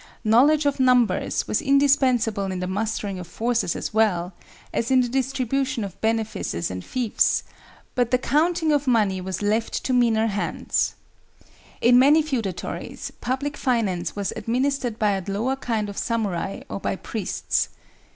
Knowledge of numbers was indispensable in the mustering of forces as well, as in the distribution of benefices and fiefs; but the counting of money was left to meaner hands. In many feudatories, public finance was administered by a lower kind of samurai or by priests.